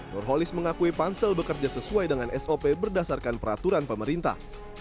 nurholis mengakui pansel bekerja sesuai dengan sop berdasarkan peraturan pemerintah